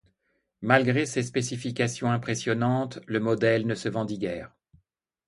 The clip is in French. Malgré ces spécifications impressionnantes, le modèle ne se vendit guère.